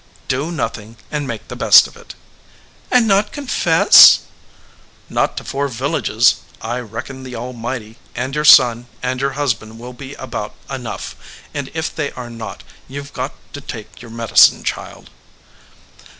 "Do nothing, and make the best of it." "And not confess?" "Not to four villages. I reckon the Almighty, 182 THE LIAR and your son and your husband will be about enough, and if they are not, you ve got to take your medicine, child."